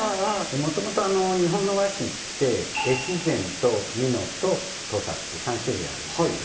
もともと日本の和紙って越前と美濃と土佐って３種類あるんですよ